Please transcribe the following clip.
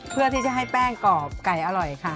เพื่อที่จะให้แป้งกรอบไก่อร่อยค่ะ